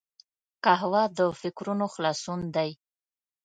قهوه د فکرونو خلاصون دی